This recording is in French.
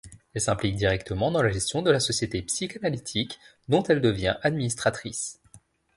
Elle s'implique directement dans la gestion de la Société psychanalytique, dont elle devient administratrice.